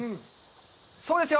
そうですよ。